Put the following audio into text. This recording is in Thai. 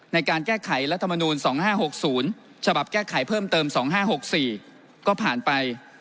ในการแก้ไขรัฐมนูล๒๕๖๐ฉบับแก้ไขเพิ่มเติม๒๕๖๔ก็ผ่านไป